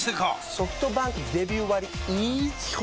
ソフトバンクデビュー割イズ基本